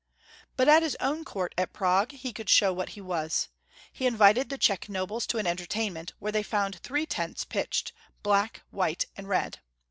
But at his own Court at Prague he could show what he was. He invited the Czech nobles to an entertainment, where they found three tents pitched, black, white, and red.